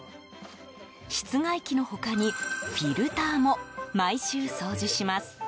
室外機の他にフィルターも毎週、掃除します。